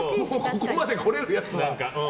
ここまでこれるやつが？